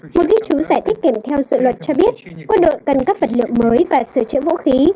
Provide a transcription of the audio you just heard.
một kích chú giải thích kèm theo dự luật cho biết quân đội cần các vật liệu mới và sửa chữa vũ khí